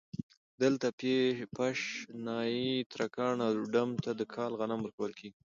دلته پش ، نايي ، ترکاڼ او ډم ته د کال غنم ورکول کېږي